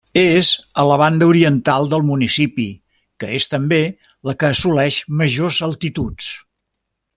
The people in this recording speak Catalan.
És a la banda oriental del municipi que és també la que assoleix majors altituds.